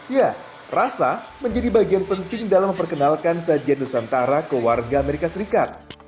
ya rasa menjadi bagian penting dalam memperkenalkan sajian nusantara ke warga amerika serikat